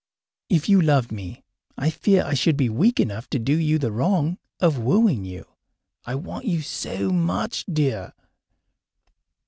If you loved me, I fear I should be weak enough to do you the wrong of wooing you. I want you so much, dear!